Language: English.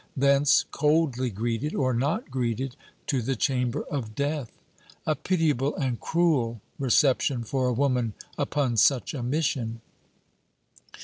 Thence, coldly greeted, or not greeted, to the chamber of death. A pitiable and cruel reception for a woman upon such a mission!